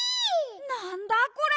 なんだこれ！？